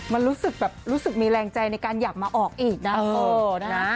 มันรู้สึกแบบรู้สึกมีแรงใจในการอยากมาออกอีกนะ